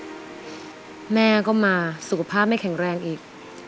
อเรนนี่บอลแม่ก็มาสุขภาพไม่แข็งแรงอีก